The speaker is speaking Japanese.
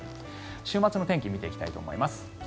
週末の天気を見ていきたいと思います。